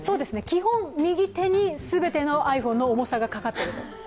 基本右手に全てのｉＰｈｏｎｅの重さがかかっていると。